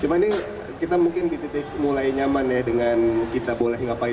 cuma ini kita mungkin di titik mulai nyaman ya dengan kita boleh ngapain